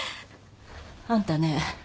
あんたね